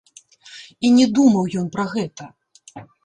І не думаў ён пра гэта.